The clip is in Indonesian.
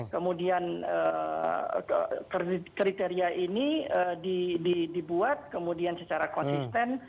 kemudian kriteria ini dibuat kemudian secara konsisten